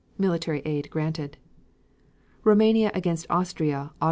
(Military aid granted.) Roumania against Austria, Aug.